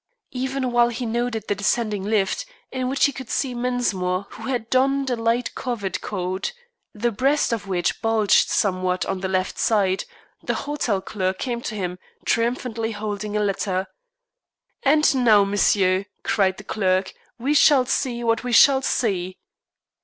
Even while he noted the descending lift, in which he could see Mensmore, who had donned a light covert coat, the breast of which bulged somewhat on the left side, the hotel clerk came to him, triumphantly holding a letter. "And now, monsieur," cried the clerk, "we shall see what we shall see."